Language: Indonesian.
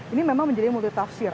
ini memang menjadi multitafsir